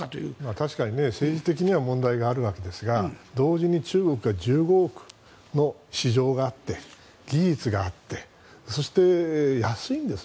確かに政治的には問題があるわけですが同時に中国には１５億の市場があって技術があってそして、安いんです。